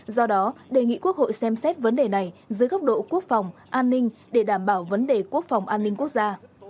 do đó đề nghị quốc hội xem xét vấn đề này dưới góc độ quốc phòng an ninh để đảm bảo vấn đề quốc phòng an ninh quốc gia